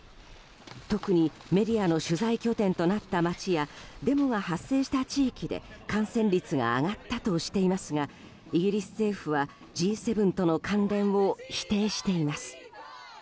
特にメディアの取材拠点となった町やデモが発生した地域で感染率が上がったとしていますがイギリス政府はＧ７との関連を否定しています。